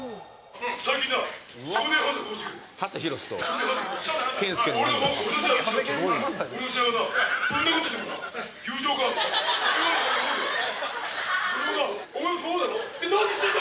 えっ何してんだ！